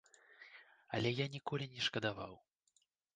Але я ніколі не шкадаваў.